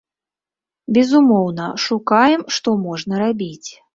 Безумоўна, шукаем, што можна рабіць.